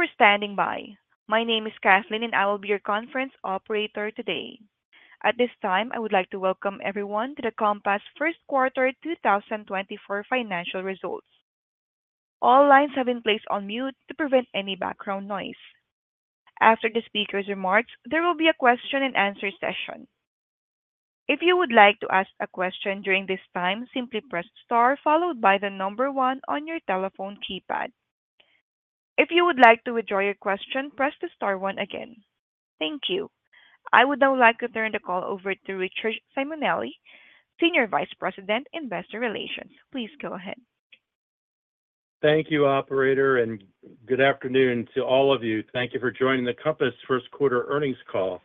Thank you for standing by. My name is Kathleen and I will be your conference operator today. At this time, I would like to welcome everyone to the Compass Q1 2024 financial results. All lines have been placed on mute to prevent any background noise. After the speaker's remarks, there will be a question-and-answer session. If you would like to ask a question during this time, simply press star followed by the number one on your telephone keypad. If you would like to withdraw your question, press the star one again. Thank you. I would now like to turn the call over to Richard Simonelli, Senior Vice President Investor Relations. Please go ahead. Thank you, operator, and good afternoon to all of you. Thank you for joining the Compass Q1 earnings call.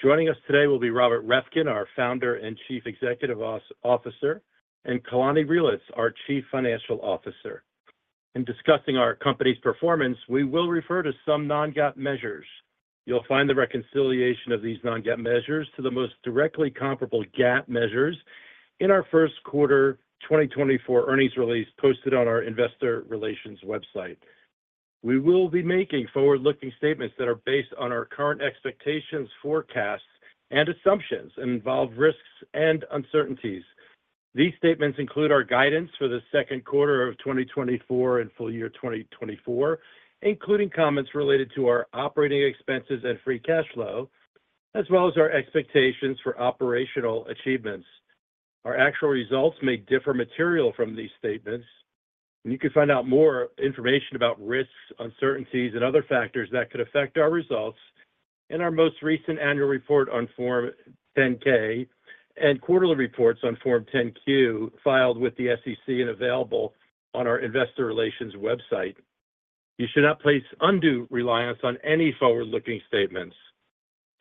Joining us today will be Robert Reffkin, our Founder and Chief Executive Officer, and Kalani Reelitz, our Chief Financial Officer. In discussing our company's performance, we will refer to some Non-GAAP measures. You'll find the reconciliation of these Non-GAAP measures to the most directly comparable GAAP measures in our Q1 2024 earnings release posted on our Investor Relations website. We will be making forward-looking statements that are based on our current expectations, forecasts, and assumptions, and involve risks and uncertainties. These statements include our guidance for the Q2 of 2024 and full year 2024, including comments related to our operating expenses and free cash flow, as well as our expectations for operational achievements. Our actual results may differ materially from these statements, and you can find out more information about risks, uncertainties, and other factors that could affect our results in our most recent annual report on Form 10-K and quarterly reports on Form 10-Q filed with the SEC and available on our Investor Relations website. You should not place undue reliance on any forward-looking statements.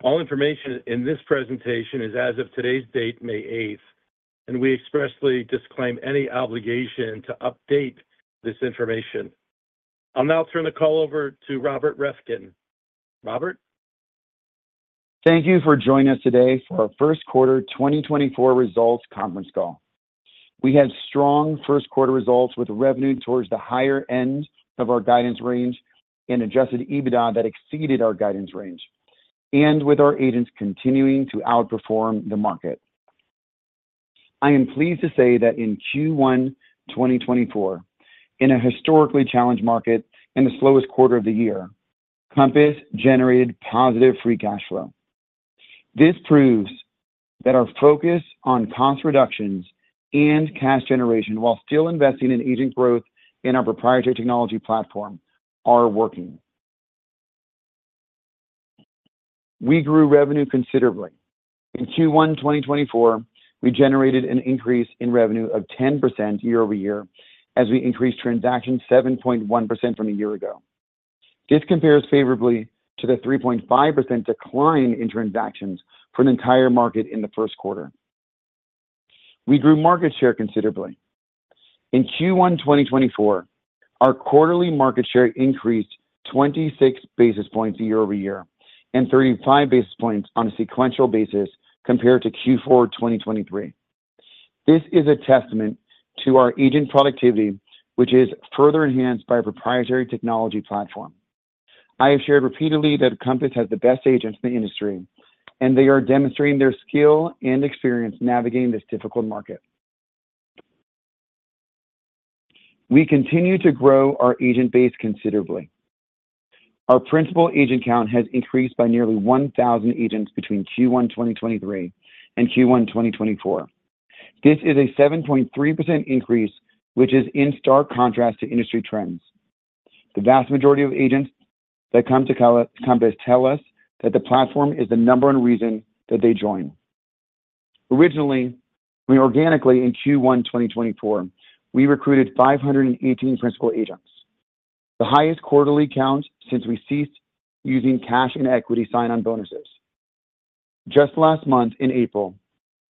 All information in this presentation is as of today's date, May 8th, and we expressly disclaim any obligation to update this information. I'll now turn the call over to Robert Reffkin. Robert? Thank you for joining us today for our Q1 2024 results conference call. We had strong Q1 results with revenue towards the higher end of our guidance range and Adjusted EBITDA that exceeded our guidance range, and with our agents continuing to outperform the market. I am pleased to say that in Q1 2024, in a historically challenged market and the slowest quarter of the year, Compass generated positive Free cash flow. This proves that our focus on cost reductions and cash generation while still investing in agent growth in our proprietary technology platform are working. We grew revenue considerably. In Q1 2024, we generated an increase in revenue of 10% year-over-year as we increased transactions 7.1% from a year ago. This compares favorably to the 3.5% decline in transactions for an entire market in the Q1. We grew market share considerably. In Q1 2024, our quarterly market share increased 26 basis points year-over-year and 35 basis points on a sequential basis compared to Q4 2023. This is a testament to our agent productivity, which is further enhanced by a proprietary technology platform. I have shared repeatedly that Compass has the best agents in the industry, and they are demonstrating their skill and experience navigating this difficult market. We continue to grow our agent base considerably. Our principal agent count has increased by nearly 1,000 agents between Q1 2023 and Q1 2024. This is a 7.3% increase, which is in stark contrast to industry trends. The vast majority of agents that come to Compass tell us that the platform is the number one reason that they join. Originally, we organically in Q1 2024, we recruited 518 principal agents, the highest quarterly count since we ceased using cash and equity sign-on bonuses. Just last month, in April,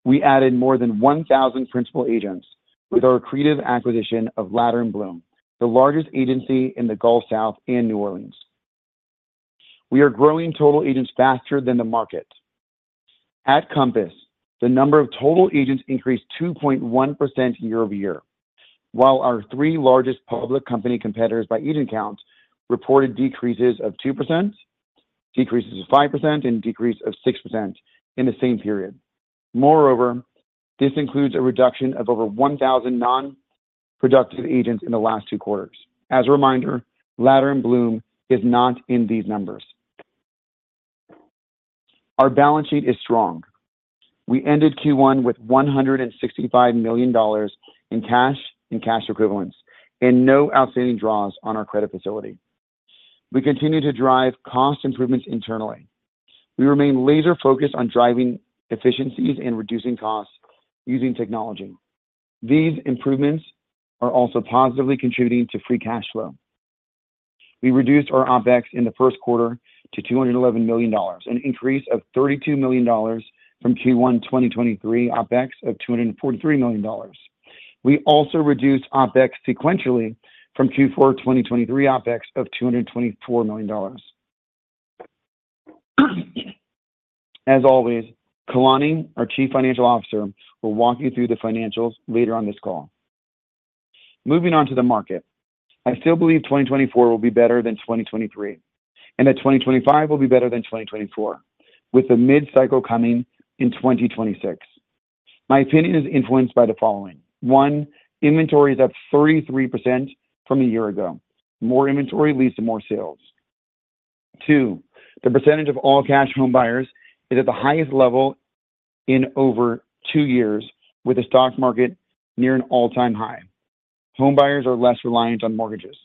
we added more than 1,000 principal agents with our creative acquisition of Latter & Blum, the largest agency in the Gulf South and New Orleans. We are growing total agents faster than the market. At Compass, the number of total agents increased 2.1% year-over-year, while our three largest public company competitors by agent count reported decreases of 2%, decreases of 5%, and decrease of 6% in the same period. Moreover, this includes a reduction of over 1,000 non-productive agents in the last two quarters. As a reminder, Latter & Blum is not in these numbers. Our balance sheet is strong. We ended Q1 with $165 million in cash and cash equivalents and no outstanding draws on our credit facility. We continue to drive cost improvements internally. We remain laser-focused on driving efficiencies and reducing costs using technology. These improvements are also positively contributing to free cash flow. We reduced our OpEx in the Q1 to $211 million, an increase of $32 million from Q1 2023 OpEx of $243 million. We also reduced OpEx sequentially from Q4 2023 OpEx of $224 million. As always, Kalani, our Chief Financial Officer, will walk you through the financials later on this call. Moving on to the market, I still believe 2024 will be better than 2023 and that 2025 will be better than 2024 with the Mid-cycle coming in 2026. My opinion is influenced by the following: One, inventory is up 33% from a year ago. More inventory leads to more sales. Two, the percentage of all-cash home buyers is at the highest level in over two years, with the stock market near an all-time high. Home buyers are less reliant on mortgages.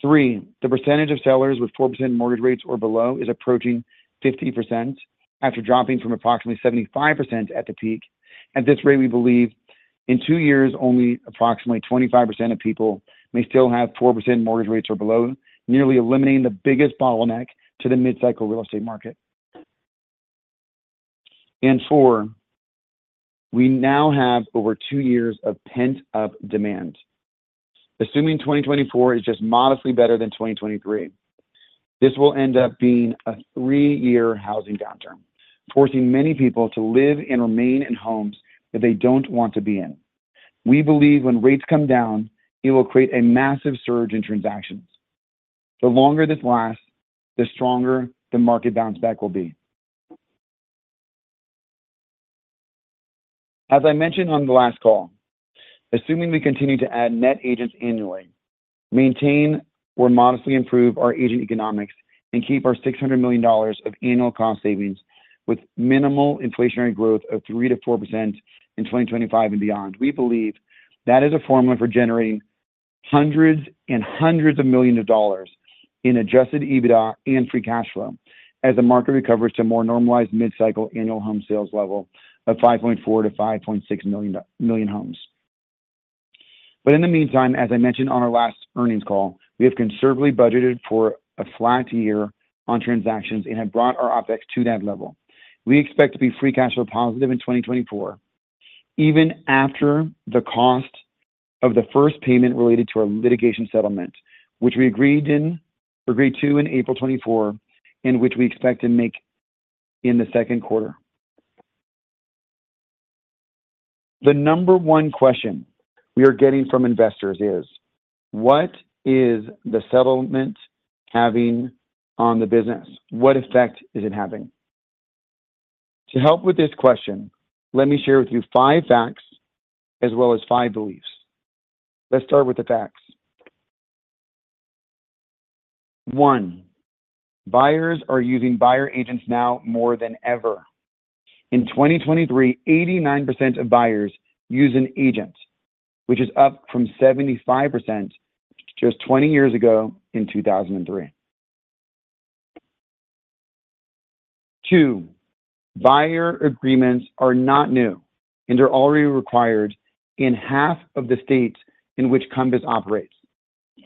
Three, the percentage of sellers with 4% mortgage rates or below is approaching 50% after dropping from approximately 75% at the peak. At this rate, we believe in two years, only approximately 25% of people may still have 4% mortgage rates or below, nearly eliminating the biggest bottleneck to the mid-cycle real estate market. And four, we now have over two years of pent-up demand, assuming 2024 is just modestly better than 2023. This will end up being a three-year housing downturn, forcing many people to live and remain in homes that they don't want to be in. We believe when rates come down, it will create a massive surge in transactions. The longer this lasts, the stronger the market bounce back will be. As I mentioned on the last call, assuming we continue to add net agents annually, maintain or modestly improve our agent economics, and keep our $600 million of annual cost savings with minimal inflationary growth of 3%-4% in 2025 and beyond, we believe that is a formula for generating hundreds and hundreds of millions of dollars in Adjusted EBITDA and free cash flow as the market recovers to a more normalized mid-cycle annual home sales level of 5.4-5.6 million homes. But in the meantime, as I mentioned on our last earnings call, we have conservatively budgeted for a flat year on transactions and have brought our OpEx to that level. We expect to be free cash flow positive in 2024, even after the cost of the first payment related to our litigation settlement, which we agreed to in April 2024 and which we expect to make in the Q2. The number one question we are getting from investors is, "What is the settlement having on the business? What effect is it having?" To help with this question, let me share with you five facts as well as five beliefs. Let's start with the facts. One, buyers are using buyer agents now more than ever. In 2023, 89% of buyers use an agent, which is up from 75% just 20 years ago in 2003. Two, buyer agreements are not new and are already required in half of the states in which Compass operates.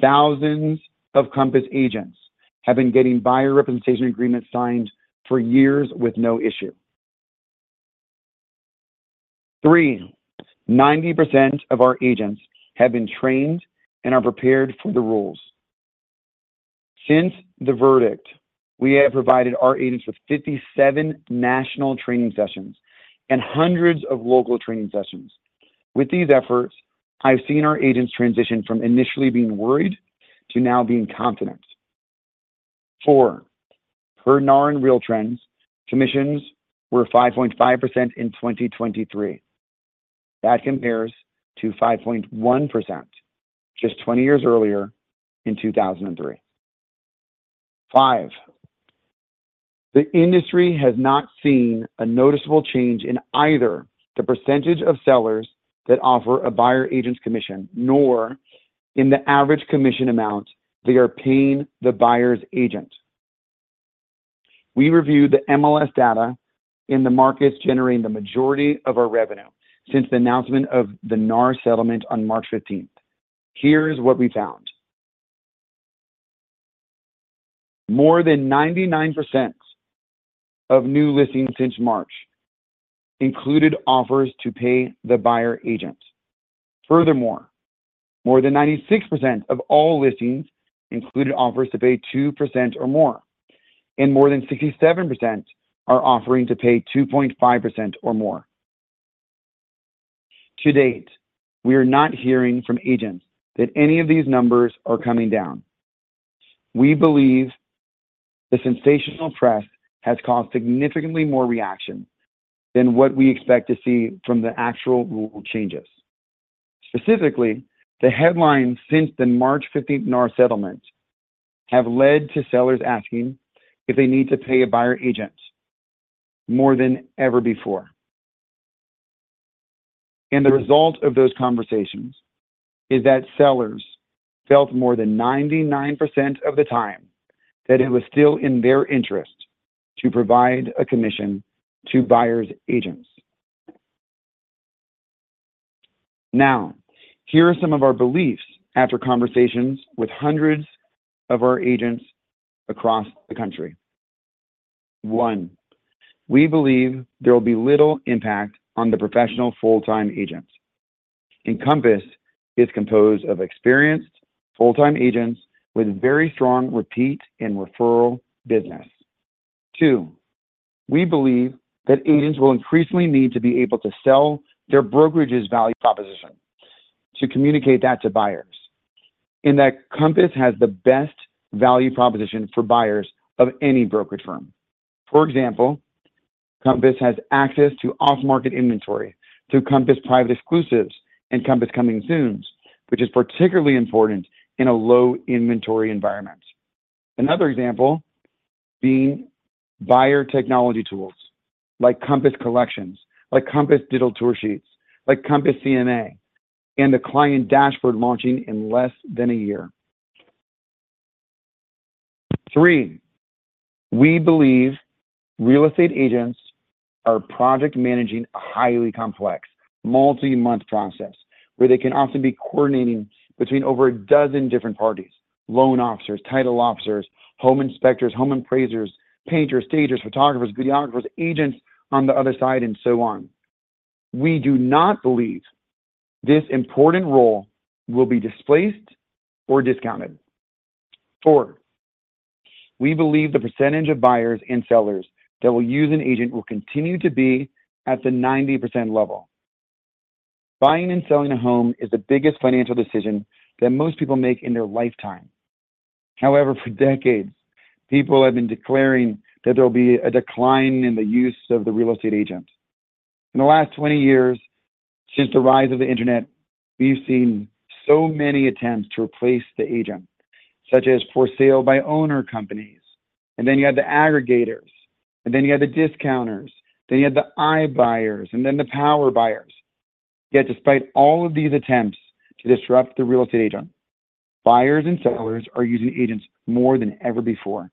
Thousands of Compass agents have been getting buyer representation agreements signed for years with no issue. Three, 90% of our agents have been trained and are prepared for the rules. Since the verdict, we have provided our agents with 57 national training sessions and hundreds of local training sessions. With these efforts, I've seen our agents transition from initially being worried to now being confident. Four, per NAR RealTrends, commissions were 5.5% in 2023. That compares to 5.1% just 20 years earlier in 2003. Five, the industry has not seen a noticeable change in either the percentage of sellers that offer a buyer agent's commission nor in the average commission amount they are paying the buyer's agent. We reviewed the MLS data in the markets generating the majority of our revenue since the announcement of the NAR settlement on March 15th. Here is what we found. More than 99% of new listings since March included offers to pay the buyer agent. Furthermore, more than 96% of all listings included offers to pay 2% or more, and more than 67% are offering to pay 2.5% or more. To date, we are not hearing from agents that any of these numbers are coming down. We believe the sensational press has caused significantly more reaction than what we expect to see from the actual rule changes. Specifically, the headlines since the March 15th NAR settlement have led to sellers asking if they need to pay a buyer agent more than ever before. The result of those conversations is that sellers felt more than 99% of the time that it was still in their interest to provide a commission to buyer's agents. Now, here are some of our beliefs after conversations with hundreds of our agents across the country. One, we believe there will be little impact on the professional full-time agents. Compass is composed of experienced full-time agents with very strong repeat and referral business. Two, we believe that agents will increasingly need to be able to sell their brokerage's value proposition to communicate that to buyers, in that Compass has the best value proposition for buyers of any brokerage firm. For example, Compass has access to off-market inventory through Compass Private Exclusives and Compass Coming Soon, which is particularly important in a low-inventory environment. Another example being buyer technology tools like Compass Collections, like Compass Digital Tour Sheets, like Compass CMA, and the client dashboard launching in less than a year. Three, we believe real estate agents are project managing a highly complex multi-month process where they can often be coordinating between over a dozen different parties: loan officers, title officers, home inspectors, home appraisers, painters, stagers, photographers, videographers, agents on the other side, and so on. We do not believe this important role will be displaced or discounted. Four, we believe the percentage of buyers and sellers that will use an agent will continue to be at the 90% level. Buying and selling a home is the biggest financial decision that most people make in their lifetime. However, for decades, people have been declaring that there will be a decline in the use of the real estate agent. In the last 20 years, since the rise of the internet, we've seen so many attempts to replace the agent, such as for sale by owner companies. Then you had the aggregators, and then you had the discounters, then you had the iBuyers, and then the Power Buyers. Yet, despite all of these attempts to disrupt the real estate agent, buyers and sellers are using agents more than ever before.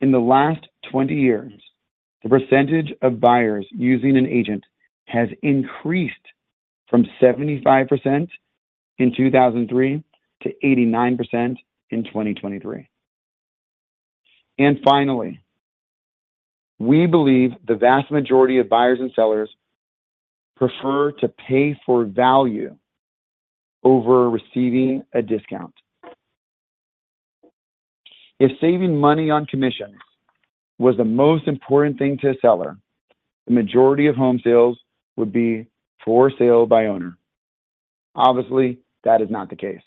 In the last 20 years, the percentage of buyers using an agent has increased from 75% in 2003 to 89% in 2023. Finally, we believe the vast majority of buyers and sellers prefer to pay for value over receiving a discount. If saving money on commissions was the most important thing to a seller, the majority of home sales would be for sale by owner. Obviously, that is not the case.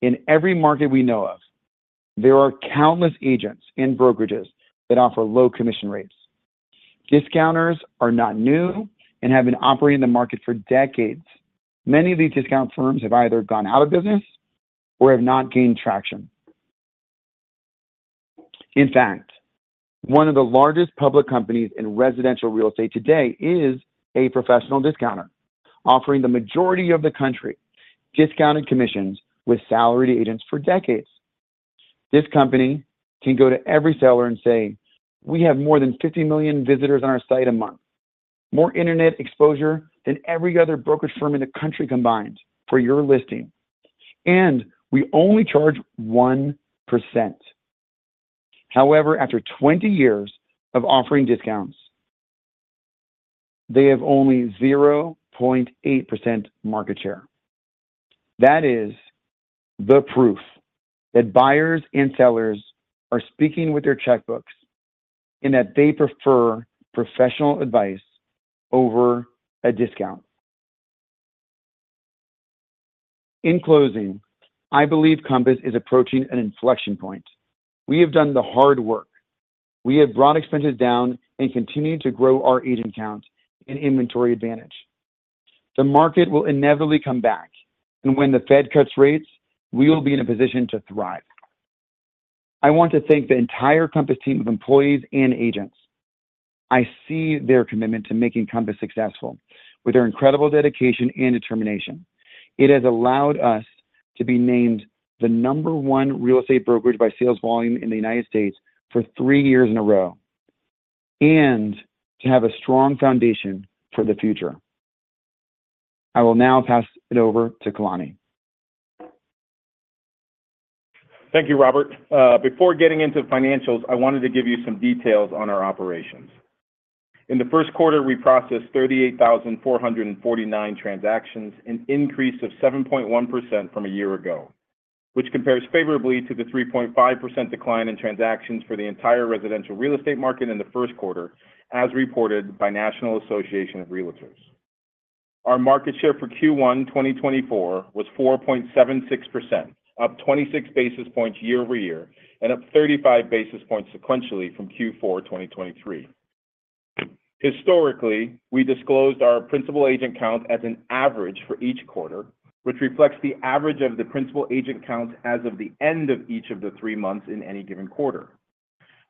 In every market we know of, there are countless agents and brokerages that offer low commission rates. Discounters are not new and have been operating in the market for decades. Many of these discount firms have either gone out of business or have not gained traction. In fact, one of the largest public companies in residential real estate today is a professional discounter, offering the majority of the country discounted commissions with salaried agents for decades. This company can go to every seller and say, "We have more than 50 million visitors on our site a month, more internet exposure than every other brokerage firm in the country combined for your listing, and we only charge 1%." However, after 20 years of offering discounts, they have only 0.8% market share. That is the proof that buyers and sellers are speaking with their checkbooks and that they prefer professional advice over a discount. In closing, I believe Compass is approaching an inflection point. We have done the hard work. We have brought expenses down and continued to grow our agent count and inventory advantage. The market will inevitably come back, and when the Fed cuts rates, we will be in a position to thrive. I want to thank the entire Compass team of employees and agents. I see their commitment to making Compass successful with their incredible dedication and determination. It has allowed us to be named the number one real estate brokerage by sales volume in the United States for three years in a row and to have a strong foundation for the future. I will now pass it over to Kalani. Thank you, Robert. Before getting into financials, I wanted to give you some details on our operations. In the Q1, we processed 38,449 transactions, an increase of 7.1% from a year ago, which compares favorably to the 3.5% decline in transactions for the entire residential real estate market in the Q1, as reported by National Association of Realtors. Our market share for Q1 2024 was 4.76%, up 26 basis points year-over-year and up 35 basis points sequentially from Q4 2023. Historically, we disclosed our principal agent count as an average for each quarter, which reflects the average of the principal agent count as of the end of each of the three months in any given quarter.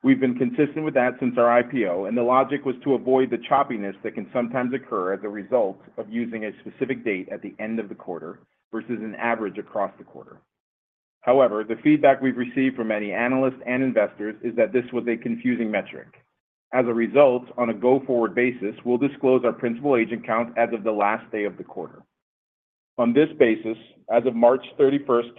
We've been consistent with that since our IPO, and the logic was to avoid the choppiness that can sometimes occur as a result of using a specific date at the end of the quarter versus an average across the quarter. However, the feedback we've received from many analysts and investors is that this was a confusing metric. As a result, on a go-forward basis, we'll disclose our principal agent count as of the last day of the quarter. On this basis, as of March 31st,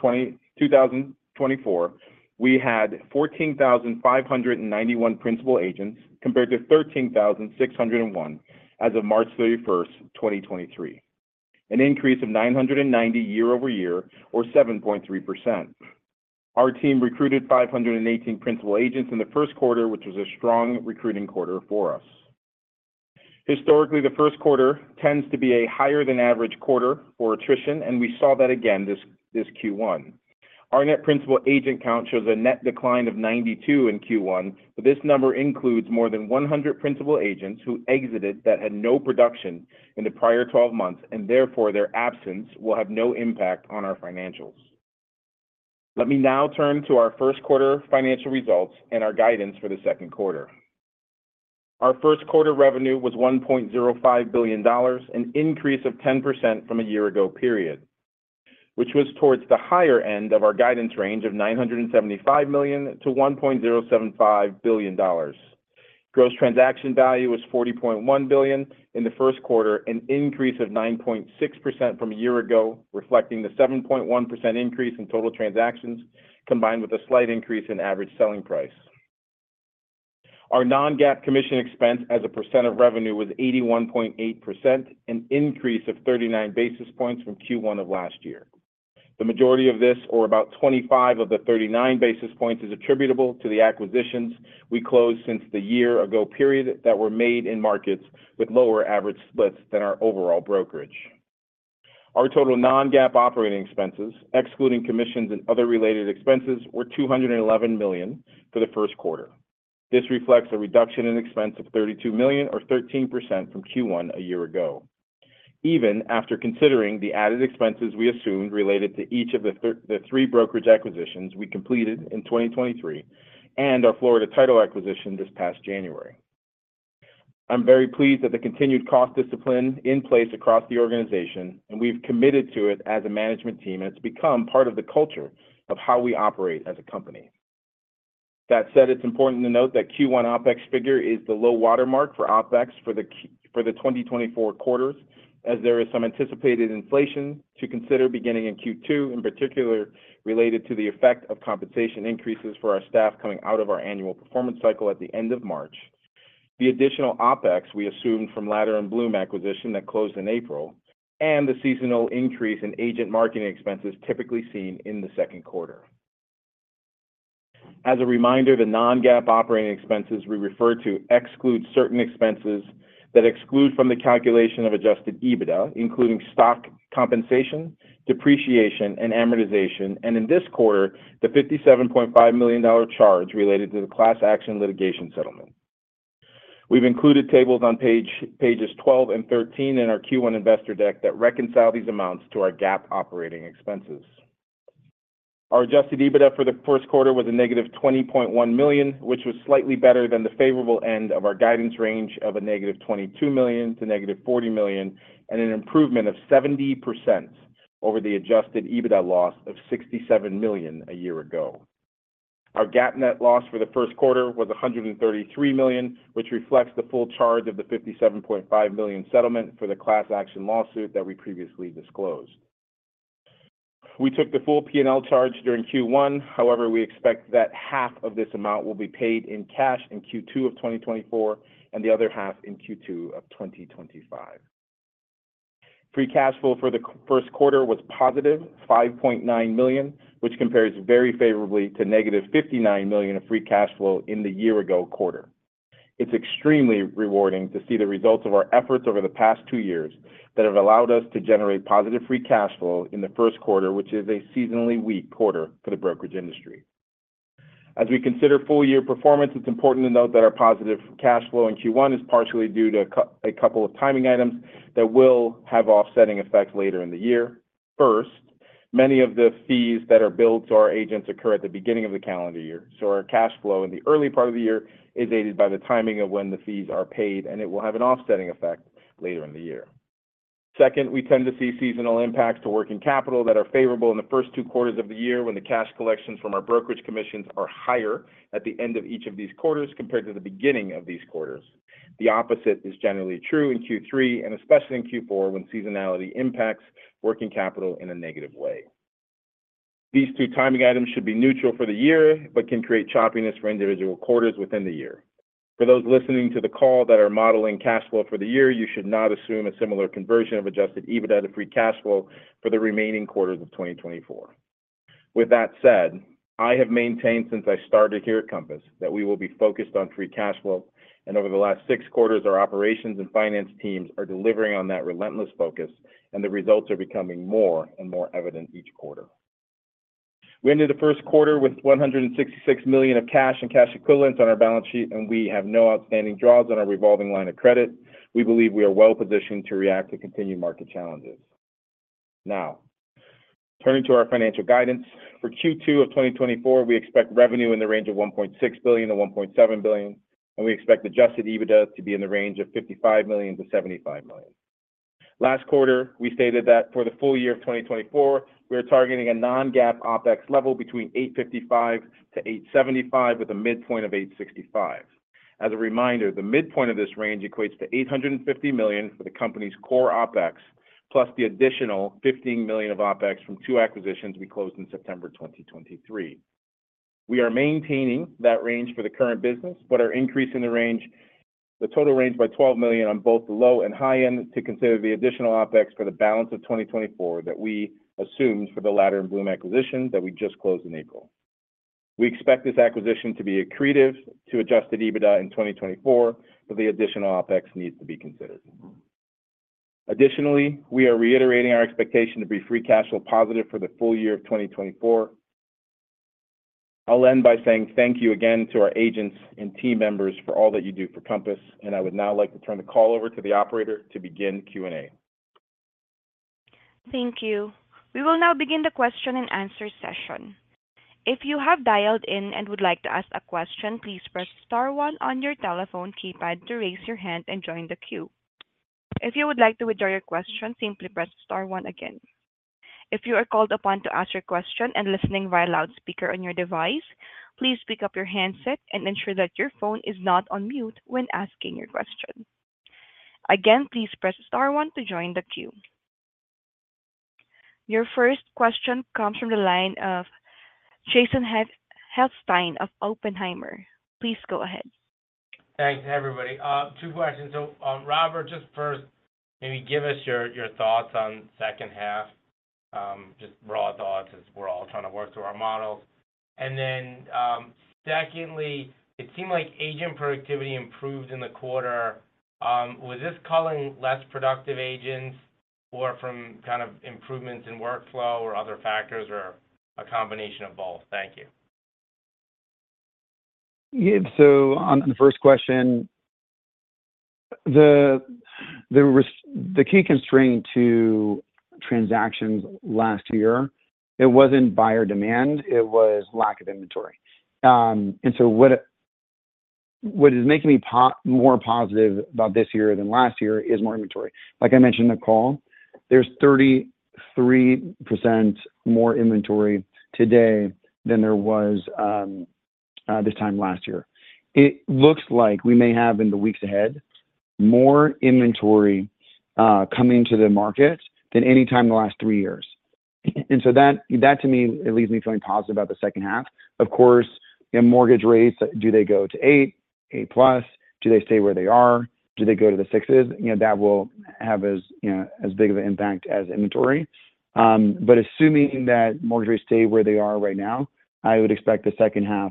2024, we had 14,591 principal agents compared to 13,601 as of March 31st, 2023, an increase of 990 year-over-year or 7.3%. Our team recruited 518 principal agents in the Q1, which was a strong recruiting quarter for us. Historically, the Q1 tends to be a higher-than-average quarter for attrition, and we saw that again this Q1. Our net principal agent count shows a net decline of 92 in Q1, but this number includes more than 100 principal agents who exited that had no production in the prior 12 months, and therefore their absence will have no impact on our financials. Let me now turn to our Q1 financial results and our guidance for the Q2. Our Q1 revenue was $1.05 billion, an increase of 10% from a year ago period, which was towards the higher end of our guidance range of $975 million to $1.075 billion. Gross transaction value was $40.1 billion in the Q1, an increase of 9.6% from a year ago, reflecting the 7.1% increase in total transactions combined with a slight increase in average selling price. Our Non-GAAP commission expense as a percent of revenue was 81.8%, an increase of 39 basis points from Q1 of last year. The majority of this, or about 25 of the 39 basis points, is attributable to the acquisitions we closed since the year ago period that were made in markets with lower average splits than our overall brokerage. Our total Non-GAAP operating expenses, excluding commissions and other related expenses, were $211 million for the Q1. This reflects a reduction in expense of $32 million or 13% from Q1 a year ago. Even after considering the added expenses we assumed related to each of the three brokerage acquisitions we completed in 2023 and our Florida title acquisition this past January. I'm very pleased that the continued cost discipline is in place across the organization, and we've committed to it as a management team, and it's become part of the culture of how we operate as a company. That said, it's important to note that Q1 OpEx figure is the low watermark for OpEx for the 2024 quarters, as there is some anticipated inflation to consider beginning in Q2, in particular related to the effect of compensation increases for our staff coming out of our annual performance cycle at the end of March, the additional OpEx we assumed from Latter & Blum acquisition that closed in April, and the seasonal increase in agent marketing expenses typically seen in the Q2. As a reminder, the Non-GAAP operating expenses we refer to exclude certain expenses that exclude from the calculation of adjusted EBITDA, including stock compensation, depreciation, and amortization, and in this quarter, the $57.5 million charge related to the class action litigation settlement. We've included tables on pages 12 and 13 in our Q1 investor deck that reconcile these amounts to our GAAP operating expenses. Our adjusted EBITDA for the Q1 was a negative $20.1 million, which was slightly better than the favorable end of our guidance range of a negative $22 million to negative $40 million, and an improvement of 70% over the adjusted EBITDA loss of $67 million a year ago. Our GAAP net loss for the Q1 was $133 million, which reflects the full charge of the $57.5 million settlement for the class action lawsuit that we previously disclosed. We took the full P&L charge during Q1. However, we expect that half of this amount will be paid in cash in Q2 of 2024 and the other half in Q2 of 2025. Free cash flow for the Q1 was positive $5.9 million, which compares very favorably to negative $59 million of free cash flow in the year ago quarter. It's extremely rewarding to see the results of our efforts over the past two years that have allowed us to generate positive free cash flow in the Q1, which is a seasonally weak quarter for the brokerage industry. As we consider full-year performance, it's important to note that our positive cash flow in Q1 is partially due to a couple of timing items that will have offsetting effects later in the year. First, many of the fees that are billed to our agents occur at the beginning of the calendar year, so our cash flow in the early part of the year is aided by the timing of when the fees are paid, and it will have an offsetting effect later in the year. Second, we tend to see seasonal impacts to working capital that are favorable in the first two quarters of the year when the cash collections from our brokerage commissions are higher at the end of each of these quarters compared to the beginning of these quarters. The opposite is generally true in Q3, and especially in Q4 when seasonality impacts working capital in a negative way. These two timing items should be neutral for the year but can create choppiness for individual quarters within the year. For those listening to the call that are modeling cash flow for the year, you should not assume a similar conversion of Adjusted EBITDA to free cash flow for the remaining quarters of 2024. With that said, I have maintained since I started here at Compass that we will be focused on free cash flow, and over the last six quarters, our operations and finance teams are delivering on that relentless focus, and the results are becoming more and more evident each quarter. We ended the Q1 with $166 million of cash and cash equivalents on our balance sheet, and we have no outstanding draws on our revolving line of credit. We believe we are well positioned to react to continued market challenges. Now, turning to our financial guidance for Q2 of 2024, we expect revenue in the range of $1.6 billion-$1.7 billion, and we expect Adjusted EBITDA to be in the range of $55 million-$75 million. Last quarter, we stated that for the full year of 2024, we are targeting a Non-GAAP OpEx level between $855 million-$875 million with a midpoint of $865 million. As a reminder, the midpoint of this range equates to $850 million for the company's core OpEx plus the additional $15 million of OpEx from two acquisitions we closed in September 2023. We are maintaining that range for the current business but are increasing the total range by $12 million on both the low and high end to consider the additional OpEx for the balance of 2024 that we assumed for the Latter & Blum acquisition that we just closed in April. We expect this acquisition to be accretive to adjusted EBITDA in 2024, but the additional OpEx needs to be considered. Additionally, we are reiterating our expectation to be free cash flow positive for the full year of 2024. I'll end by saying thank you again to our agents and team members for all that you do for Compass, and I would now like to turn the call over to the operator to begin Q&A. Thank you. We will now begin the question and answer session. If you have dialed in and would like to ask a question, please press star one on your telephone keypad to raise your hand and join the queue. If you would like to withdraw your question, simply press star one again. If you are called upon to ask your question and listening via loudspeaker on your device, please pick up your handset and ensure that your phone is not on mute when asking your question. Again, please press star one to join the queue. Your first question comes from the line of Jason Helfstein of Oppenheimer. Please go ahead. Thanks, everybody. Two questions. So Robert, just first, maybe give us your thoughts on H2, just raw thoughts as we're all trying to work through our models. And then secondly, it seemed like agent productivity improved in the quarter. Was this calling less productive agents or from kind of improvements in workflow or other factors or a combination of both? Thank you. So on the first question, the key constraint to transactions last year, it wasn't buyer demand. It was lack of inventory. And so what is making me more positive about this year than last year is more inventory. Like I mentioned in the call, there's 33% more inventory today than there was this time last year. It looks like we may have in the weeks ahead more inventory coming to the market than anytime in the last three years. And so that, to me, leads me feeling positive about the H2. Of course, mortgage rates, do they go to eight, 8+? Do they stay where they are? Do they go to the 6s? That will have as big of an impact as inventory. But assuming that mortgage rates stay where they are right now, I would expect the H2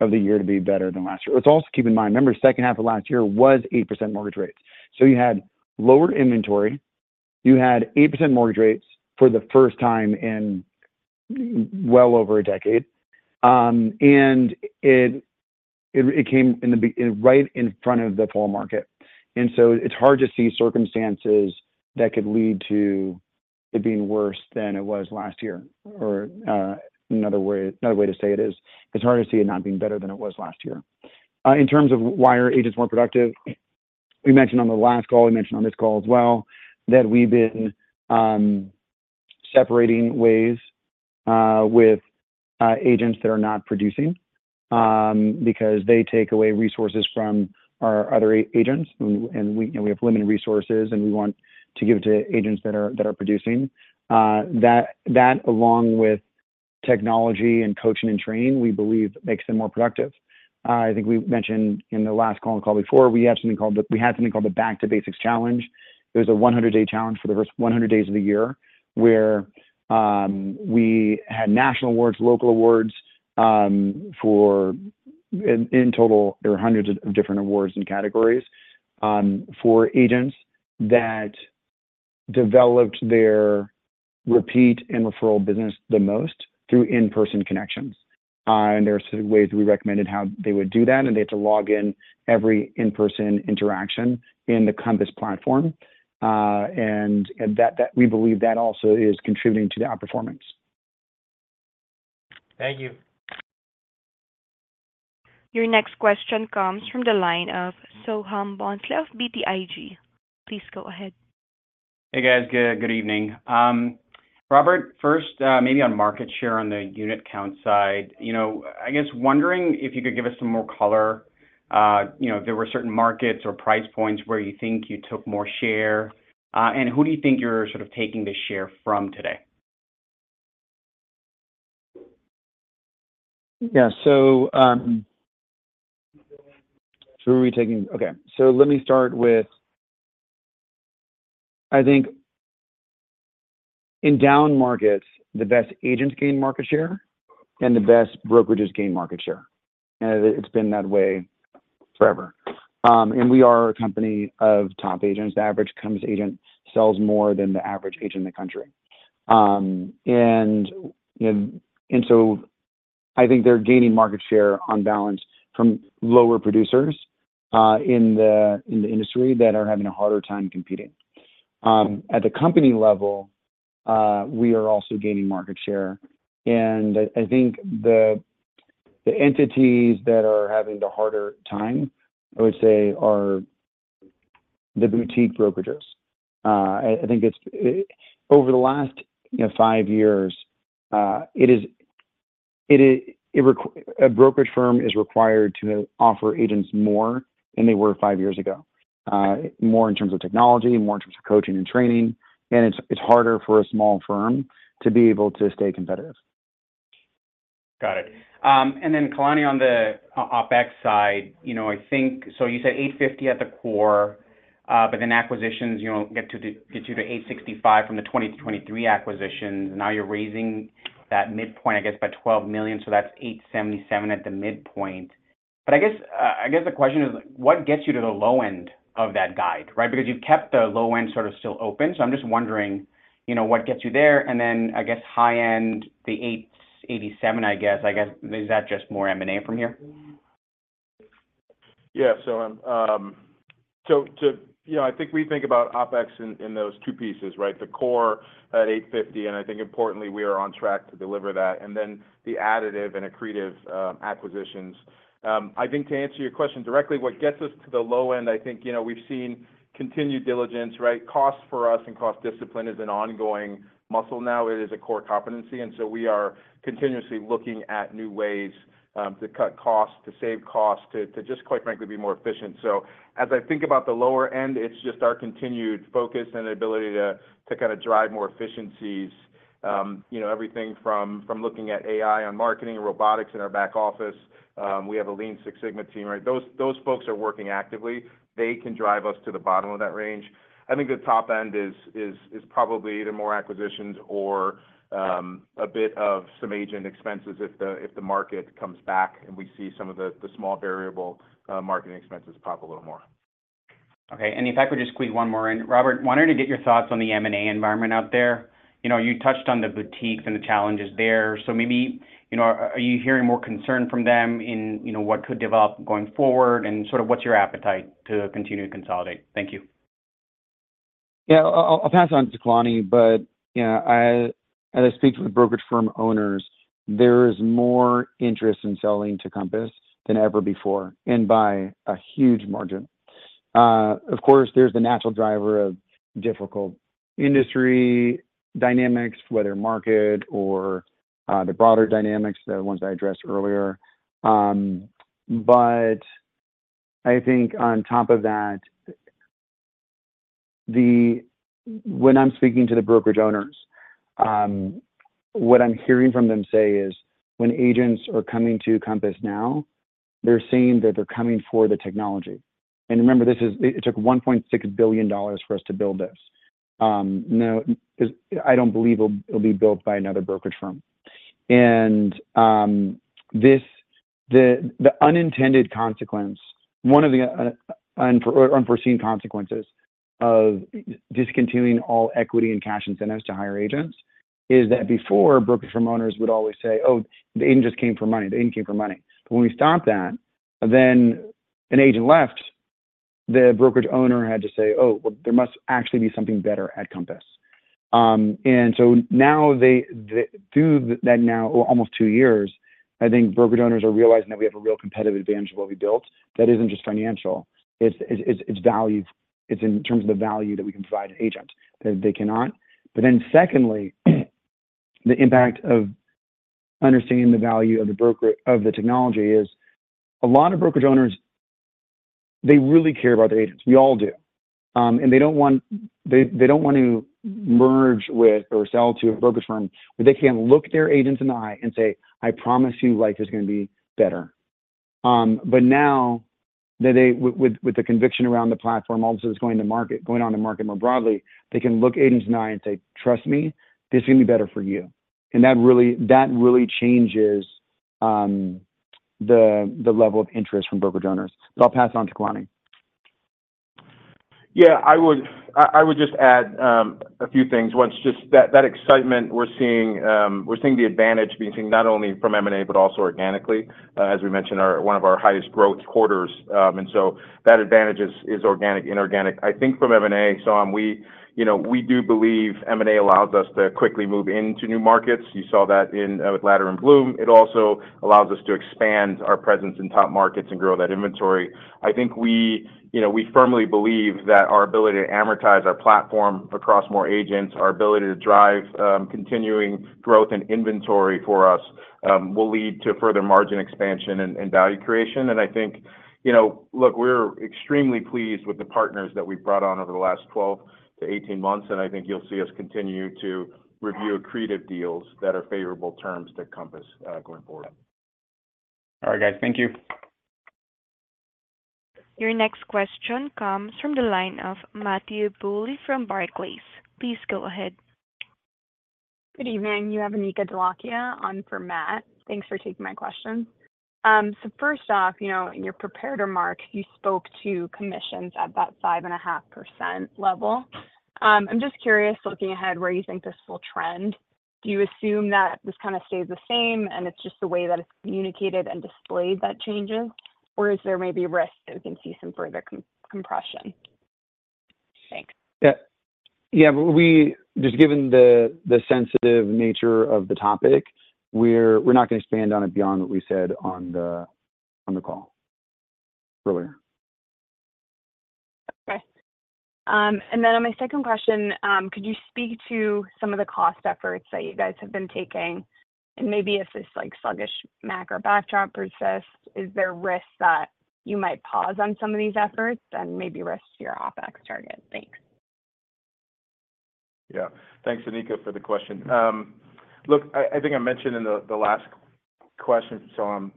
of the year to be better than last year. Let's also keep in mind, remember, H2 of last year was 8% mortgage rates. So you had lower inventory. You had 8% mortgage rates for the first time in well over a decade, and it came right in front of the fall market. And so it's hard to see circumstances that could lead to it being worse than it was last year, or another way to say it is, it's hard to see it not being better than it was last year. In terms of why are agents more productive, we mentioned on the last call, we mentioned on this call as well, that we've been separating ways with agents that are not producing because they take away resources from our other agents, and we have limited resources, and we want to give it to agents that are producing. That, along with technology and coaching and training, we believe makes them more productive. I think we mentioned in the last call and the call before, we had something called the Back to Basics Challenge. It was a 100-day challenge for the first 100 days of the year where we had national awards, local awards for in total, there were hundreds of different awards and categories for agents that developed their repeat and referral business the most through in-person connections. There are specific ways that we recommended how they would do that, and they had to log in every in-person interaction in the Compass platform. We believe that also is contributing to the outperformance. Thank you. Your next question comes from the line of Soham Bhonsle, BTIG. Please go ahead. Hey, guys. Good evening. Robert, first, maybe on market share on the unit count side, I guess wondering if you could give us some more color. If there were certain markets or price points where you think you took more share, and who do you think you're sort of taking this share from today? Yeah. So who are we taking? Okay. So let me start with, I think, in down markets, the best agents gain market share and the best brokerages gain market share. It's been that way forever. We are a company of top agents. The average Compass agent sells more than the average agent in the country. So I think they're gaining market share on balance from lower producers in the industry that are having a harder time competing. At the company level, we are also gaining market share. I think the entities that are having the harder time, I would say, are the boutique brokerages. I think over the last five years, a brokerage firm is required to offer agents more than they were five years ago, more in terms of technology, more in terms of coaching and training. It's harder for a small firm to be able to stay competitive. Got it. And then, Kalani, on the OpEx side, I think so you said $850 million at the core, but then acquisitions get you to $865 million from the 20-23 acquisitions. Now you're raising that midpoint, I guess, by $12 million, so that's $877 million at the midpoint. But I guess the question is, what gets you to the low end of that guide, right? Because you've kept the low end sort of still open, so I'm just wondering what gets you there. And then, I guess, high end, the $887 million, I guess, is that just more M&A from here? Yeah. So I think we think about OpEx in those two pieces, right? The core at $850, and I think, importantly, we are on track to deliver that, and then the additive and accretive acquisitions. I think to answer your question directly, what gets us to the low end, I think we've seen continued diligence, right? Cost for us and cost discipline is an ongoing muscle now. It is a core competency. And so we are continuously looking at new ways to cut cost, to save cost, to just, quite frankly, be more efficient. So as I think about the lower end, it's just our continued focus and ability to kind of drive more efficiencies, everything from looking at AI on marketing and robotics in our back office. We have a Lean Six Sigma team, right? Those folks are working actively. They can drive us to the bottom of that range. I think the top end is probably either more acquisitions or a bit of some agent expenses if the market comes back and we see some of the small variable marketing expenses pop a little more. Okay. And in fact, we'll just squeeze one more in. Robert, wanted to get your thoughts on the M&A environment out there. You touched on the boutiques and the challenges there. So maybe are you hearing more concern from them in what could develop going forward, and sort of what's your appetite to continue to consolidate? Thank you. Yeah. I'll pass on to Kalani, but as I speak to the brokerage firm owners, there is more interest in selling to Compass than ever before and by a huge margin. Of course, there's the natural driver of difficult industry dynamics, whether market or the broader dynamics, the ones I addressed earlier. But I think on top of that, when I'm speaking to the brokerage owners, what I'm hearing from them say is when agents are coming to Compass now, they're saying that they're coming for the technology. And remember, it took $1.6 billion for us to build this. I don't believe it'll be built by another brokerage firm. And the unintended consequence, one of the unforeseen consequences of discontinuing all equity and cash incentives to hire agents is that before, brokerage firm owners would always say, "Oh, the agent just came for money. The agent came for money." But when we stopped that, then an agent left, the brokerage owner had to say, "Oh, well, there must actually be something better at Compass." And so now, through that now almost two years, I think brokerage owners are realizing that we have a real competitive advantage of what we built that isn't just financial. It's in terms of the value that we can provide an agent that they cannot. But then secondly, the impact of understanding the value of the technology is a lot of brokerage owners, they really care about their agents. We all do. And they don't want to merge with or sell to a brokerage firm where they can't look their agents in the eye and say, "I promise you life is going to be better." But now, with the conviction around the platform, all this is going on the market more broadly, they can look agents in the eye and say, "Trust me, this is going to be better for you." And that really changes the level of interest from brokerage owners. But I'll pass on to Kalani. Yeah. I would just add a few things. One, just that excitement, we're seeing the advantage being seen not only from M&A but also organically, as we mentioned, one of our highest growth quarters. And so that advantage is organic, inorganic. I think from M&A, Soham, we do believe M&A allows us to quickly move into new markets. You saw that with Latter & Blum. It also allows us to expand our presence in top markets and grow that inventory. I think we firmly believe that our ability to amortize our platform across more agents, our ability to drive continuing growth and inventory for us will lead to further margin expansion and value creation. I think, look, we're extremely pleased with the partners that we've brought on over the last 12-18 months, and I think you'll see us continue to review accretive deals that are favorable terms to Compass going forward. All right, guys. Thank you. Your next question comes from the line of Matthew Bouley from Barclays. Please go ahead. Good evening. You have Anika Dholakia on for Matt. Thanks for taking my question. So first off, in your prepared remarks, you spoke to commissions at that 5.5% level. I'm just curious, looking ahead, where you think this will trend. Do you assume that this kind of stays the same, and it's just the way that it's communicated and displayed that changes, or is there maybe risk that we can see some further compression? Thanks. Yeah. Yeah. Just given the sensitive nature of the topic, we're not going to expand on it beyond what we said on the call earlier. Okay. And then on my second question, could you speak to some of the cost efforts that you guys have been taking? And maybe if this sluggish market or backdrop persists, is there risk that you might pause on some of these efforts and maybe risk your OpEx target? Thanks. Yeah. Thanks, Anika, for the question. Look, I think I mentioned in the last question, Soham,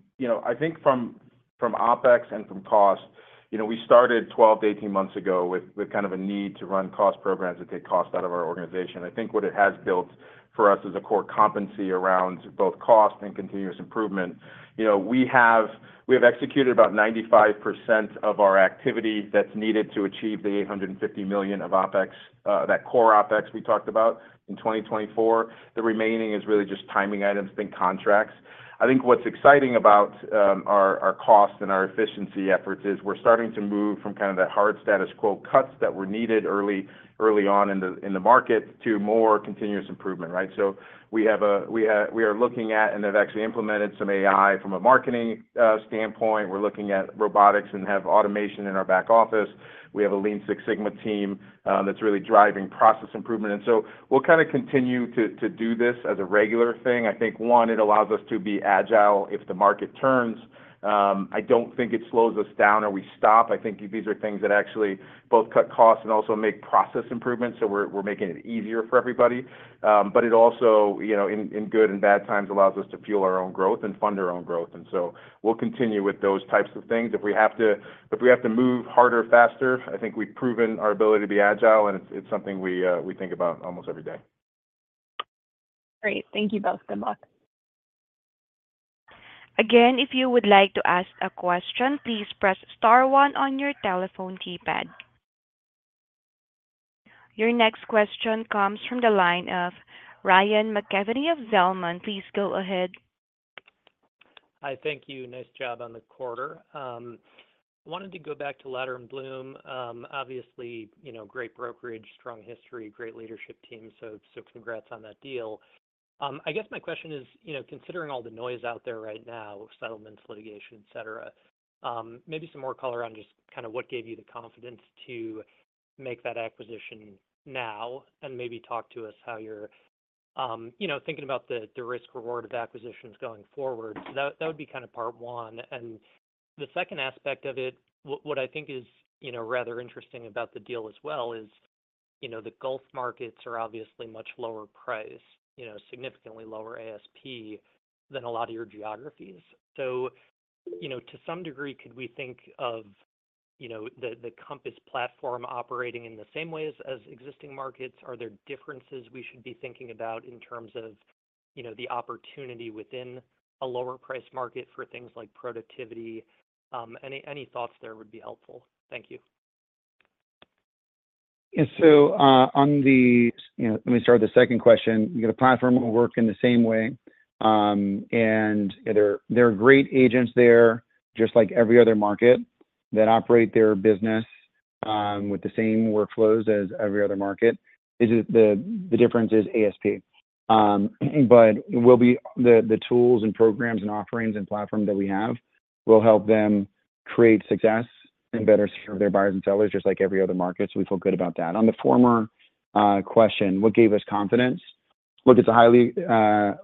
I think from OpEx and from cost, we started 12-18 months ago with kind of a need to run cost programs that take cost out of our organization. I think what it has built for us is a core competency around both cost and continuous improvement. We have executed about 95% of our activity that's needed to achieve the $850 million of OpEx, that core OpEx we talked about in 2024. The remaining is really just timing items, think contracts. I think what's exciting about our cost and our efficiency efforts is we're starting to move from kind of that hard status quo cuts that were needed early on in the market to more continuous improvement, right? So we are looking at and have actually implemented some AI from a marketing standpoint. We're looking at robotics and have automation in our back office. We have a Lean Six Sigma team that's really driving process improvement. And so we'll kind of continue to do this as a regular thing. I think, one, it allows us to be agile if the market turns. I don't think it slows us down or we stop. I think these are things that actually both cut costs and also make process improvements, so we're making it easier for everybody. But it also, in good and bad times, allows us to fuel our own growth and fund our own growth. And so we'll continue with those types of things. If we have to move harder, faster, I think we've proven our ability to be agile, and it's something we think about almost every day. Great. Thank you both. Good luck. Again, if you would like to ask a question, please press star one on your telephone keypad. Your next question comes from the line of Ryan McKeveny of Zelman. Please go ahead. Hi. Thank you. Nice job on the quarter. I wanted to go back to Latter & Blum. Obviously, great brokerage, strong history, great leadership team, so congrats on that deal. I guess my question is, considering all the noise out there right now, settlements, litigation, etc., maybe some more color on just kind of what gave you the confidence to make that acquisition now and maybe talk to us how you're thinking about the risk-reward of acquisitions going forward. So that would be kind of part one. And the second aspect of it, what I think is rather interesting about the deal as well is the Gulf markets are obviously much lower price, significantly lower ASP than a lot of your geographies. So to some degree, could we think of the Compass platform operating in the same ways as existing markets? Are there differences we should be thinking about in terms of the opportunity within a lower-priced market for things like productivity? Any thoughts there would be helpful. Thank you. Yeah. So, let me start with the second question. You get a platform that will work in the same way. And there are great agents there, just like every other market, that operate their business with the same workflows as every other market. The difference is ASP. But the tools and programs and offerings and platform that we have will help them create success and better serve their buyers and sellers, just like every other market. So we feel good about that. On the former question, what gave us confidence? Look, it's an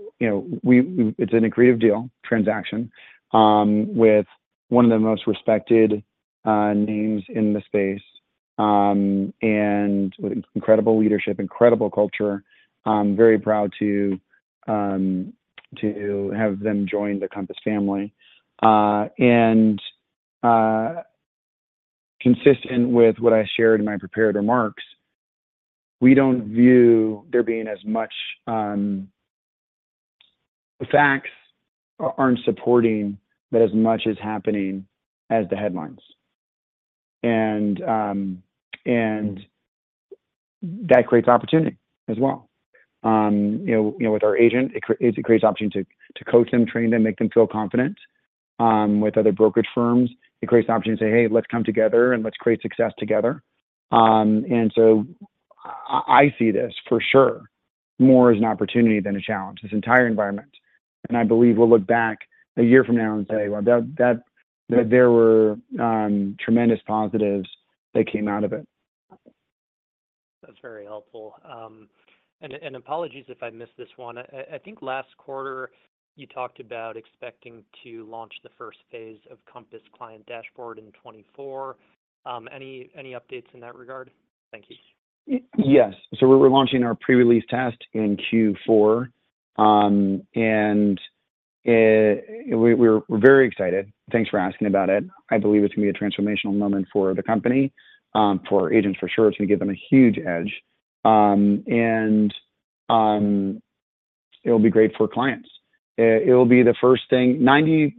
accretive deal, transaction, with one of the most respected names in the space and with incredible leadership, incredible culture. Very proud to have them join the Compass family. Consistent with what I shared in my prepared remarks, we don't view there being as much; the facts aren't supporting that as much is happening as the headlines. And that creates opportunity as well. With our agent, it creates opportunity to coach them, train them, make them feel confident. With other brokerage firms, it creates opportunity to say, "Hey, let's come together, and let's create success together." And so I see this, for sure, more as an opportunity than a challenge, this entire environment. And I believe we'll look back a year from now and say, "Well, there were tremendous positives that came out of it. That's very helpful. Apologies if I missed this one. I think last quarter, you talked about expecting to launch the first phase of Compass Client Dashboard in 2024. Any updates in that regard? Thank you. Yes. So we're launching our pre-release test in Q4. And we're very excited. Thanks for asking about it. I believe it's going to be a transformational moment for the company. For agents, for sure, it's going to give them a huge edge. And it'll be great for clients. It'll be the first thing 95%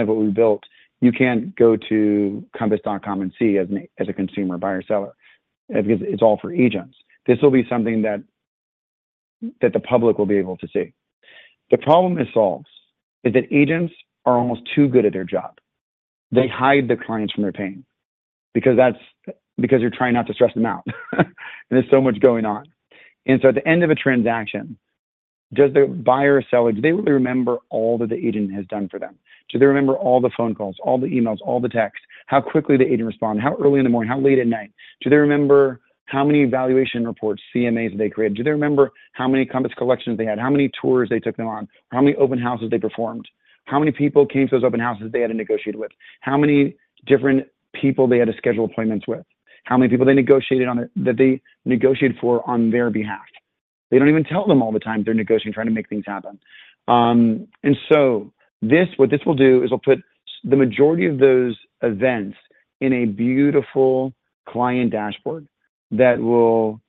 of what we built, you can't go to compass.com and see as a consumer, buyer, seller because it's all for agents. This will be something that the public will be able to see. The problem it solves is that agents are almost too good at their job. They hide the clients from their pain because you're trying not to stress them out. And there's so much going on. And so at the end of a transaction, does the buyer or seller, do they really remember all that the agent has done for them? Do they remember all the phone calls, all the emails, all the texts, how quickly the agent responded, how early in the morning, how late at night? Do they remember how many evaluation reports, CMAs, they created? Do they remember how many Compass Collections they had, how many tours they took them on, how many open houses they performed, how many people came to those open houses they had to negotiate with, how many different people they had to schedule appointments with, how many people they negotiated for on their behalf? They don't even tell them all the time they're negotiating, trying to make things happen. And so what this will do is it'll put the majority of those events in a beautiful client dashboard that will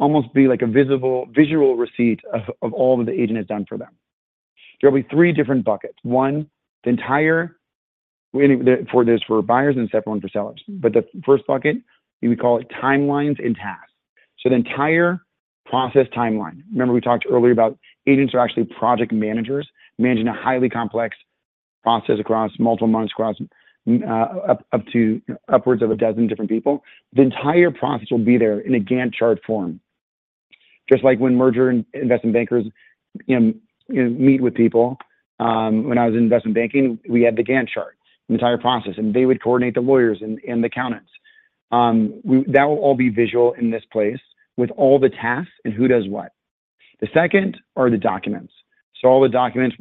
almost be like a visual receipt of all that the agent has done for them. There'll be three different buckets. One, the entire for buyers and separate one for sellers. But the first bucket, we call it timelines and tasks. So the entire process timeline. Remember, we talked earlier about agents are actually project managers managing a highly complex process across multiple months, upwards of 12 different people. The entire process will be there in a Gantt chart form, just like when merger investment bankers meet with people. When I was in investment banking, we had the Gantt chart, the entire process, and they would coordinate the lawyers and the accountants. That will all be visual in this place with all the tasks and who does what. The second are the documents. So all the documents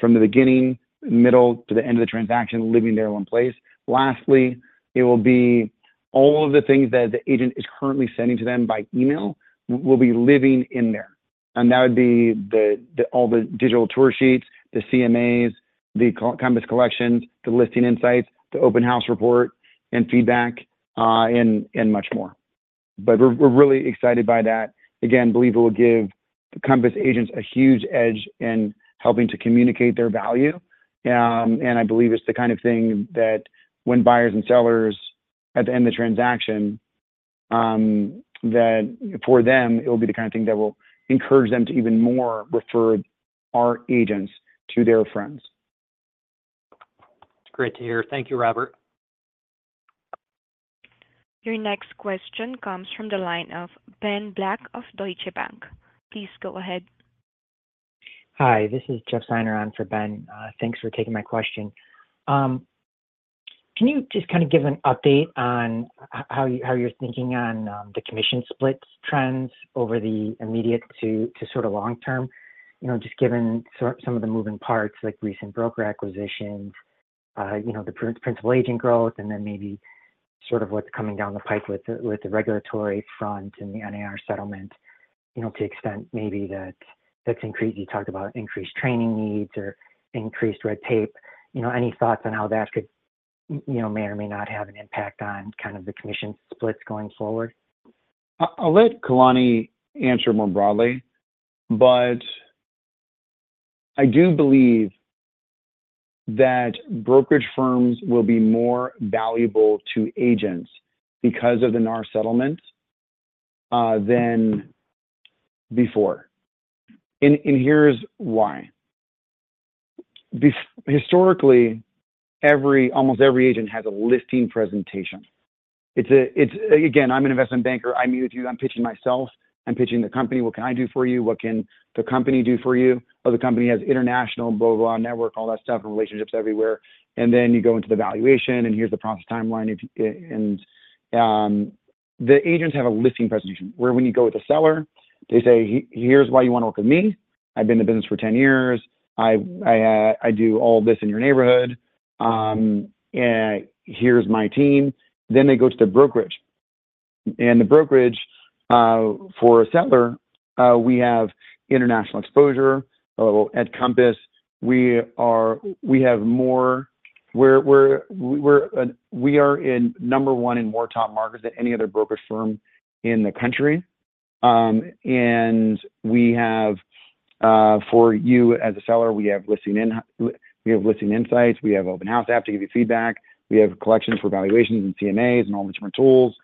from the beginning, middle, to the end of the transaction living there in one place. Lastly, it will be all of the things that the agent is currently sending to them by email will be living in there. And that would be all the digital tour sheets, the CMAs, the Compass collections, the listing insights, the open house report and feedback, and much more. But we're really excited by that. Again, believe it will give the Compass agents a huge edge in helping to communicate their value. And I believe it's the kind of thing that when buyers and sellers at the end of the transaction, for them, it will be the kind of thing that will encourage them to even more refer our agents to their friends. Great to hear. Thank you, Robert. Your next question comes from the line of Ben Black of Deutsche Bank. Please go ahead. Hi. This is Jeff Seiner on for Ben. Thanks for taking my question. Can you just kind of give an update on how you're thinking on the commission split trends over the immediate to sort of long term, just given some of the moving parts like recent broker acquisitions, the principal agent growth, and then maybe sort of what's coming down the pike with the regulatory front and the NAR settlement to the extent maybe that's increased. You talked about increased training needs or increased red tape. Any thoughts on how that could may or may not have an impact on kind of the commission splits going forward? I'll let Kalani answer more broadly. But I do believe that brokerage firms will be more valuable to agents because of the NAR settlements than before. And here's why. Historically, almost every agent has a listing presentation. Again, I'm an investment banker. I'm here with you. I'm pitching myself. I'm pitching the company. What can I do for you? What can the company do for you? Oh, the company has international, blah, blah, network, all that stuff, and relationships everywhere. And then you go into the valuation, and here's the process timeline. And the agents have a listing presentation where when you go with a seller, they say, "Here's why you want to work with me. I've been in the business for 10 years. I do all this in your neighborhood. Here's my team." Then they go to the brokerage. The brokerage, for a seller, we have international exposure at Compass. We have more, we are number one in more top markets than any other brokerage firm in the country. And for you as a seller, we have listing insights. We have open house apps to give you feedback. We have Collections for valuations and CMAs and all the different tools.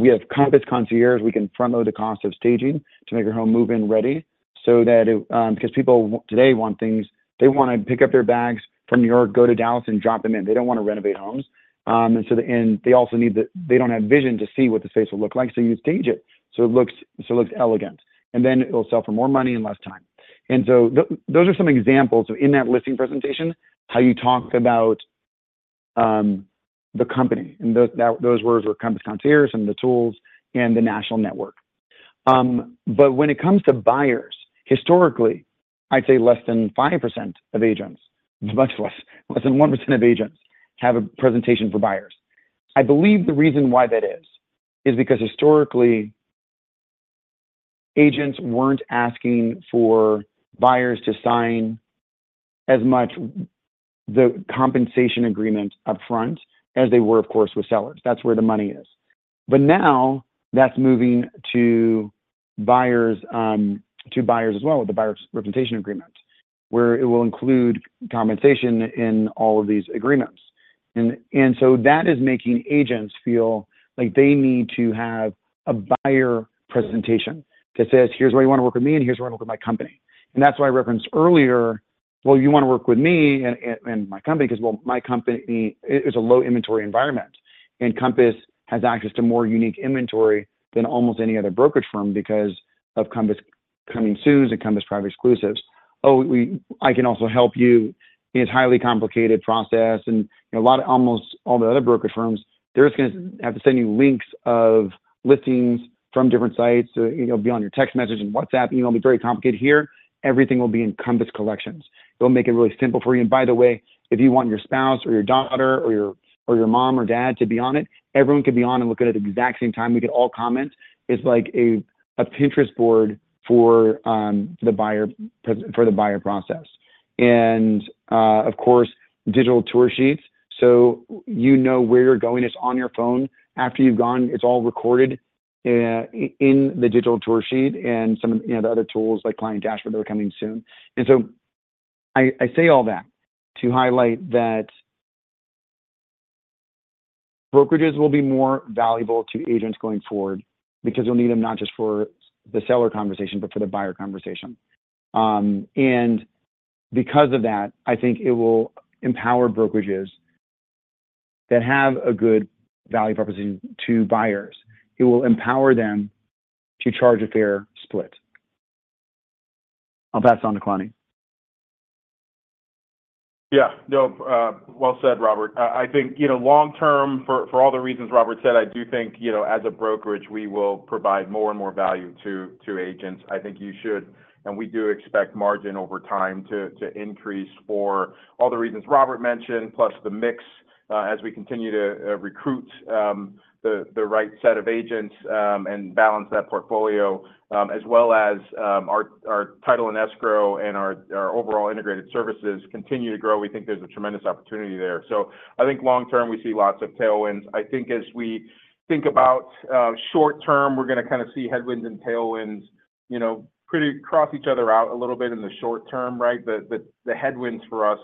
We have Compass Concierge. We can frontload the cost of staging to make your home move-in ready because people today want things they want to pick up their bags from New York, go to Dallas, and drop them in. They don't want to renovate homes. And they also need, they don't have vision to see what the space will look like. So you stage it so it looks elegant. And then it'll sell for more money and less time. So those are some examples of in that listing presentation, how you talk about the company. And those words were Compass Concierge and the tools and the national network. But when it comes to buyers, historically, I'd say less than 5% of agents, much less, less than 1% of agents have a presentation for buyers. I believe the reason why that is is because historically, agents weren't asking for buyers to sign as much the compensation agreement upfront as they were, of course, with sellers. That's where the money is. But now that's moving to buyers as well with the buyer's representation agreement where it will include compensation in all of these agreements. And so that is making agents feel like they need to have a buyer presentation that says, "Here's why you want to work with me, and here's why you want to work with my company." And that's why I referenced earlier, "Well, you want to work with me and my company because, well, my company is a low-inventory environment. And Compass has access to more unique inventory than almost any other brokerage firm because of Compass Coming Soon and Compass Private Exclusives. Oh, I can also help you. It's a highly complicated process." And almost all the other brokerage firms, they're just going to have to send you links of listings from different sites. It'll be on your text message and WhatsApp email. It'll be very complicated. Here, everything will be in Compass Collections. It'll make it really simple for you. And by the way, if you want your spouse or your daughter or your mom or dad to be on it, everyone could be on and look at it at the exact same time. We could all comment. It's like a Pinterest board for the buyer process. And of course, Digital Tour Sheets. So you know where you're going. It's on your phone after you've gone. It's all recorded in the Digital Tour Sheet and some of the other tools like Client Dashboard that are coming soon. And so I say all that to highlight that brokerages will be more valuable to agents going forward because you'll need them not just for the seller conversation but for the buyer conversation. And because of that, I think it will empower brokerages that have a good value proposition to buyers. It will empower them to charge a fair split. I'll pass it on to Kalani. Yeah. No, well said, Robert. I think long-term, for all the reasons Robert said, I do think as a brokerage, we will provide more and more value to agents. I think you should, and we do expect margin over time to increase for all the reasons Robert mentioned, plus the mix as we continue to recruit the right set of agents and balance that portfolio, as well as our title and escrow and our overall integrated services continue to grow. We think there's a tremendous opportunity there. So I think long-term, we see lots of tailwinds. I think as we think about short-term, we're going to kind of see headwinds and tailwinds pretty cross each other out a little bit in the short term, right? The headwinds for us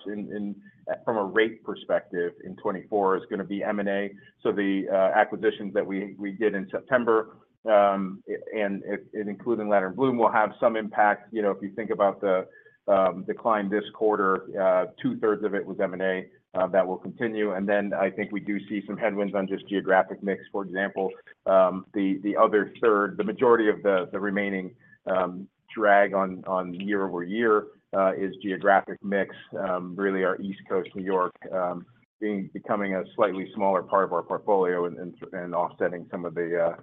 from a rate perspective in 2024 is going to be M&A. So the acquisitions that we did in September, including Latter & Blum, will have some impact. If you think about the decline this quarter, two-thirds of it was M&A that will continue. And then I think we do see some headwinds on just geographic mix. For example, the other third, the majority of the remaining drag on year over year is geographic mix, really our East Coast, New York, becoming a slightly smaller part of our portfolio and offsetting some of the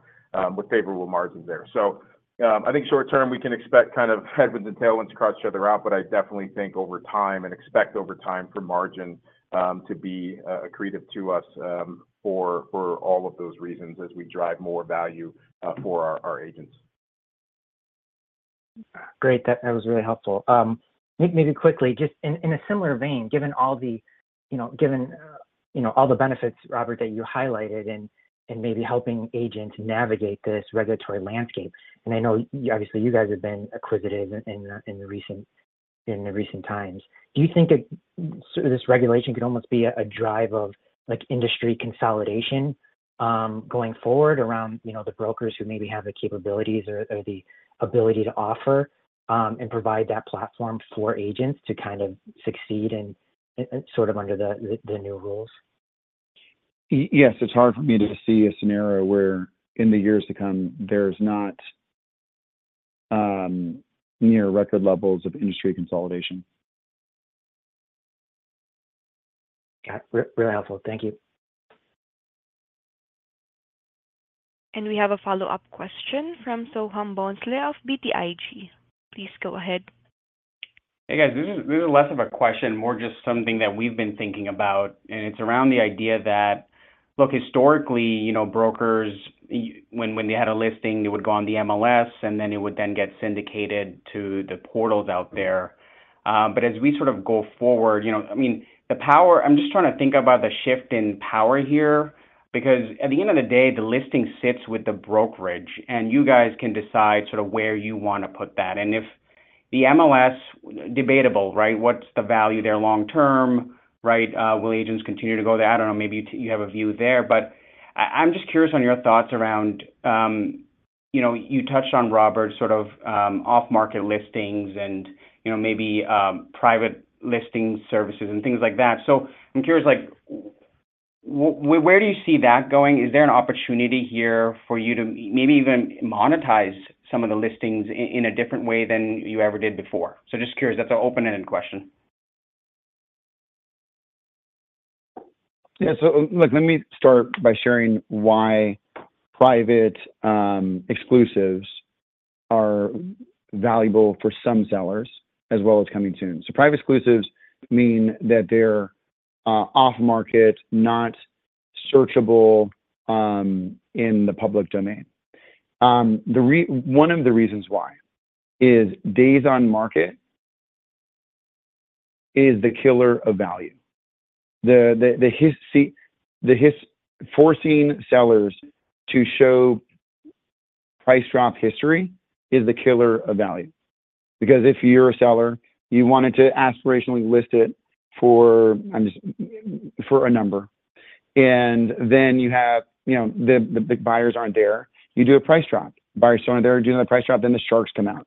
with favorable margins there. So I think short-term, we can expect kind of headwinds and tailwinds to cross each other out. But I definitely think over time and expect over time for margin to be accretive to us for all of those reasons as we drive more value for our agents. Great. That was really helpful. Maybe quickly, just in a similar vein, given all the benefits, Robert, that you highlighted in maybe helping agents navigate this regulatory landscape and I know, obviously, you guys have been acquisitive in the recent times, do you think this regulation could almost be a drive of industry consolidation going forward around the brokers who maybe have the capabilities or the ability to offer and provide that platform for agents to kind of succeed and sort of under the new rules? Yes. It's hard for me to see a scenario where in the years to come, there's not near record levels of industry consolidation. Got it. Really helpful. Thank you. We have a follow-up question from Soham Bhonsle of BTIG. Please go ahead. Hey, guys. This is less of a question, more just something that we've been thinking about. And it's around the idea that, look, historically, brokers, when they had a listing, they would go on the MLS, and then it would then get syndicated to the portals out there. But as we sort of go forward, I mean, the power I'm just trying to think about the shift in power here because at the end of the day, the listing sits with the brokerage, and you guys can decide sort of where you want to put that. And if the MLS, debatable, right? What's the value there long-term, right? Will agents continue to go there? I don't know. Maybe you have a view there. But I'm just curious on your thoughts around you touched on Robert's sort of off-market listings and maybe private listing services and things like that. So I'm curious, where do you see that going? Is there an opportunity here for you to maybe even monetize some of the listings in a different way than you ever did before? So just curious. That's an open-ended question. Yeah. So look, let me start by sharing why private exclusives are valuable for some sellers as well as Coming Soon. So private exclusives mean that they're off-market, not searchable in the public domain. One of the reasons why is days on market is the killer of value. See, forcing sellers to show price drop history is the killer of value because if you're a seller, you wanted to aspirationally list it for a number, and then you have the buyers aren't there. You do a price drop. Buyers aren't there. Do another price drop, then the sharks come out.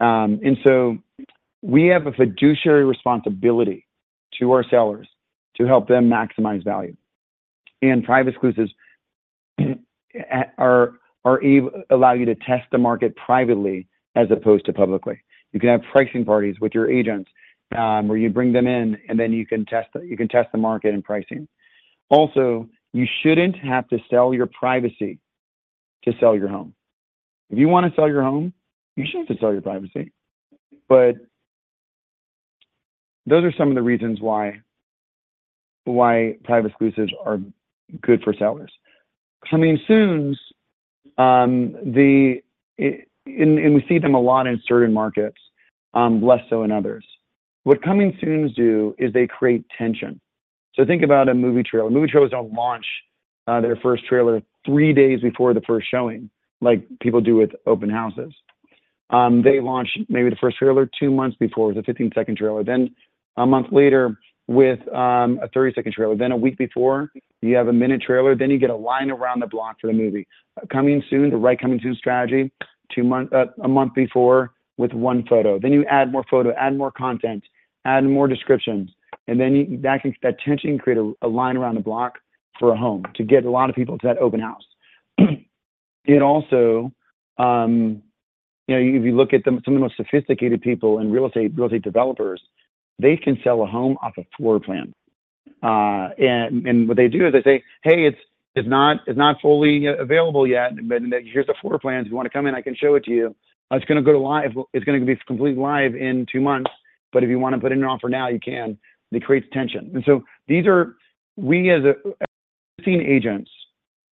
And so we have a fiduciary responsibility to our sellers to help them maximize value. And private exclusives allow you to test the market privately as opposed to publicly. You can have pricing parties with your agents where you bring them in, and then you can test the market in pricing. Also, you shouldn't have to sell your privacy to sell your home. If you want to sell your home, you shouldn't have to sell your privacy. But those are some of the reasons why private exclusives are good for sellers. Coming Soons, and we see them a lot in certain markets, less so in others. What Coming Soons do is they create tension. So think about a movie trailer. Movie trailers don't launch their first trailer three days before the first showing like people do with open houses. They launch maybe the first trailer two months before with a 15-second trailer, then a month later with a 30-second trailer, then a week before. You have a minute trailer, then you get a line around the block for the movie. Coming Soons, the right Coming Soons strategy, a month before with one photo. Then you add more photo, add more content, add more descriptions. And then that tension can create a line around the block for a home to get a lot of people to that open house. And also, if you look at some of the most sophisticated people in real estate, real estate developers, they can sell a home off a floor plan. And what they do is they say, "Hey, it's not fully available yet, but here's the floor plans. If you want to come in, I can show it to you. It's going to go to live, it's going to be completely live in two months. But if you want to put in an offer now, you can." It creates tension. So we, as existing agents,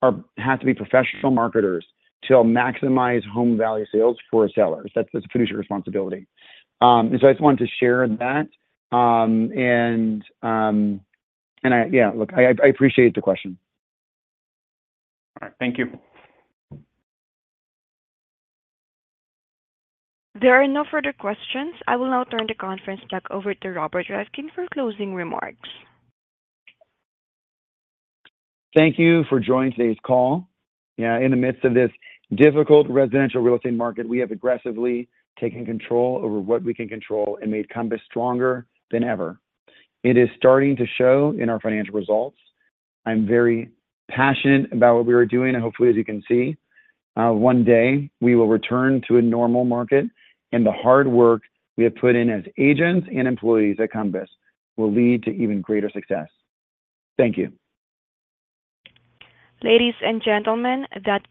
have to be professional marketers to maximize home value sales for sellers. That's a fiduciary responsibility. So I just wanted to share that. Yeah, look, I appreciate the question. All right. Thank you. There are no further questions. I will now turn the conference back over to Robert Reffkin for closing remarks. Thank you for joining today's call. Yeah, in the midst of this difficult residential real estate market, we have aggressively taken control over what we can control and made Compass stronger than ever. It is starting to show in our financial results. I'm very passionate about what we are doing. Hopefully, as you can see, one day, we will return to a normal market. The hard work we have put in as agents and employees at Compass will lead to even greater success. Thank you. Ladies and gentlemen, that.